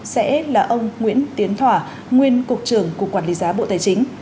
sẽ là ông nguyễn tiến thỏa nguyên cục trưởng cục quản lý giá bộ tài chính